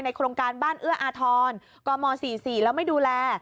โครงการบ้านเอื้ออาทรกม๔๔แล้วไม่ดูแล